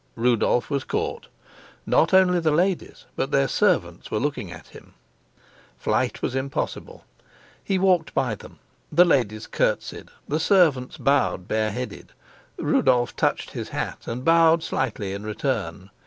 Rudolf was caught. Not only the ladies, but their servants were looking at him. Flight was impossible. He walked by them. The ladies curtseyed, the servants bowed bare headed. Rudolf touched his hat and bowed slightly in return.